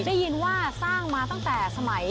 ได้ยินว่าสร้างมาตั้งแต่สมัย